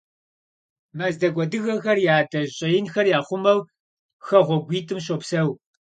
Мэздэгу адыгэхэр я адэжь щӏэинхэр яхъумэу хэгъуэгуитӏым щопсэу.